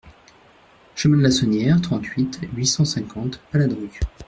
Chemin de la Sonnière, trente-huit, huit cent cinquante Paladru